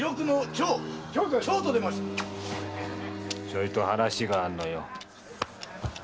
ちょいと話があんのよ。